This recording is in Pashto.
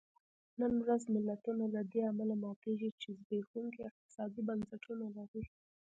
نن ورځ ملتونه له دې امله ماتېږي چې زبېښونکي اقتصادي بنسټونه لري.